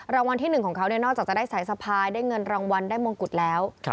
รางวัลที่๑ของเขานอกจากจะได้สายสะพายได้เงินรางวัลได้มงกุฎแล้ว